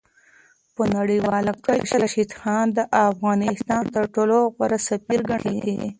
په نړیواله کچه راشد خان د افغانستان تر ټولو غوره سفیر ګڼل کېږي.